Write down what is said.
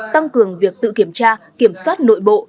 tăng cường việc tự kiểm tra kiểm soát nội bộ